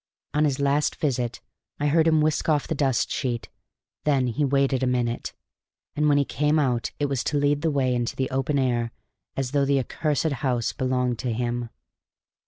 On his last visit I heard him whisk off the dust sheet; then he waited a minute; and when he came out it was to lead the way into the open air as though the accursed house belonged to him.